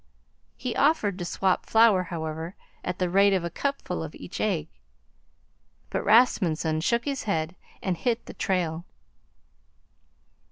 He offered to swap flour, however, at the rate of a cupful of each egg, but Rasmunsen shook his head and hit the trail.